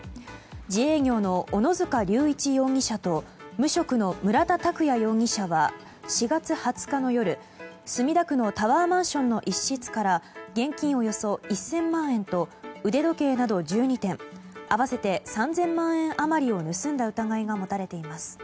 自営業の小野塚隆一容疑者と無職の村田拓也容疑者は４月２０日の夜、墨田区のタワーマンションの一室から現金およそ１０００万円と腕時計など１２点合わせて３０００万円余りを盗んだ疑いが持たれています。